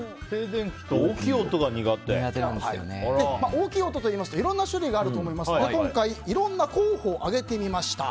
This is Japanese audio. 大きい音といいますといろんな種類があると思いますが今回、いろんな候補を挙げてみました。